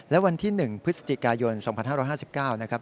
และวันที่๑พฤศจิกายน๒๕๕๙นะครับ